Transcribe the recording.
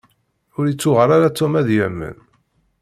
Ur ittuɣal ara Tom ad yi-yamen.